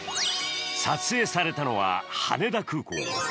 撮影されたのは、羽田空港。